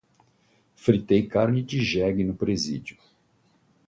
fritei carne de jegue no presídio